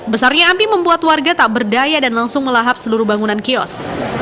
besarnya api membuat warga tak berdaya dan langsung melahap seluruh bangunan kios